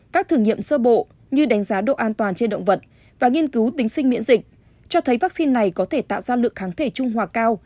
các thử nghiệm sơ bộ như đánh giá độ an toàn trên động vật và nghiên cứu tính sinh miễn dịch cho thấy vaccine này có thể tạo ra lượng kháng thể trung hòa cao